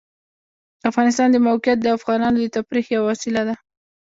د افغانستان د موقعیت د افغانانو د تفریح یوه وسیله ده.